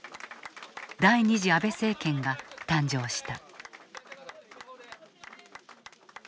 第２次安倍政権が誕生した。